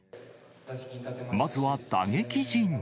まずは打撃陣。